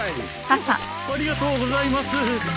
ありがとうございます。